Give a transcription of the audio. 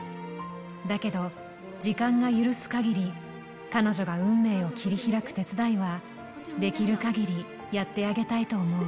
だけど、時間が許すかぎり、彼女が運命を切り開く手伝いは、できるかぎりやってあげたいと思う。